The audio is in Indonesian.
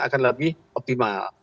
akan lebih optimal